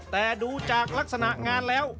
แต่ดูจากลักษณะงานแล้ว